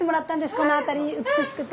この辺り美しくて。